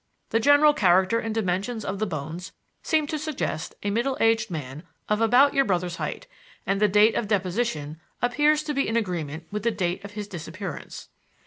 The general character and dimensions of the bones seem to suggest a middle aged man of about your brother's height, and the date of deposition appears to be in agreement with the date of his disappearance."